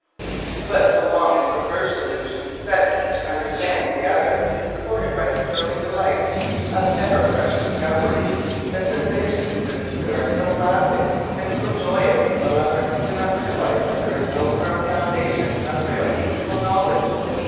But so long as the first illusion that each under stands the other is supported by the thrilling delight of ever fresh discoveries, the sensations lived through are so rapid and so joyous that the lovers do not realise that there is no firm foundation of real mutual knowledge beneath the ir feet.